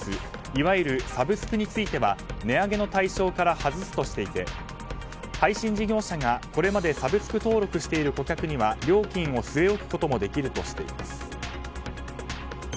いわゆるサブスクについては値上げの対象から外すとしていて配信事業者がこれまでサブスク登録している顧客には料金を据え置くこともできるとしています。